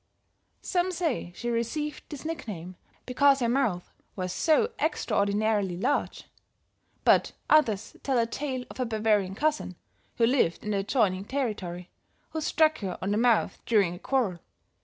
Some say she received this nickname because her mouth was so extraordinarily large; but others tell a tale of her Bavarian cousin, who lived in the adjoining territory, who struck her on the mouth during a quarrel.